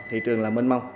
thị trường là mênh mông